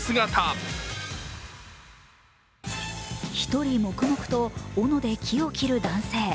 １人、黙々とおので木を切る男性。